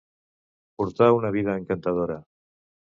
Portar una vida encantadora